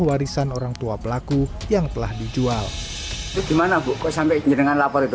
warisan orangtua pelaku yang telah dijual gimana buku sampai dengan lapor itu